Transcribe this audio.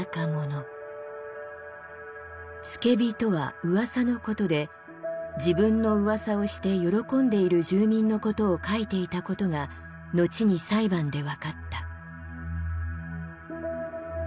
「つけび」とはうわさのことで自分のうわさをして喜んでいる住民のことを書いていたことがのちに裁判でわかった。